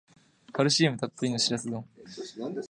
カルシウムたっぷりのシラス丼